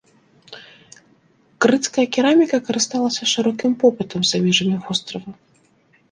Крыцкая кераміка карысталася шырокім попытам за межамі вострава.